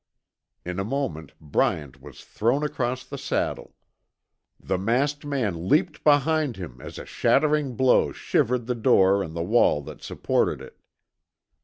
In a moment Bryant was thrown across the saddle. The masked man leaped behind him as a shattering blow shivered the door and the wall that supported it.